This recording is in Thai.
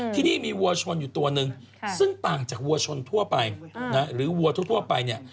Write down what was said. ที่นี่มีวัวชนอยู่ตัวหนึ่งซึ่งต่างจากวัวชนทั่วไปหรือวัวทั่วไปเนี่ย